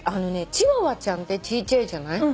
チワワちゃんってちいちゃいじゃない？